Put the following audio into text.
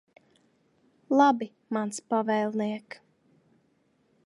Labi, mans pavēlniek.